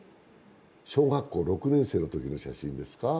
小学校６年生のときの写真ですか。